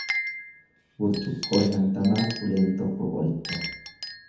Burcuqqoo shantamaaf uleen tokko qoricha.